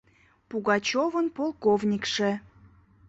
Пугачевын полковникше.